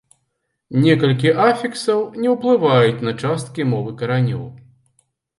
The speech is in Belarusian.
Некалькі афіксаў не ўплываюць на часткі мовы каранёў.